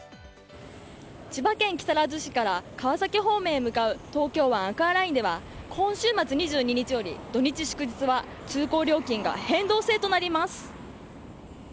千葉県木更津市から川崎方面へ向かう東京湾アクアラインでは今週末２２日より土日祝日は通行料金が変動制となります。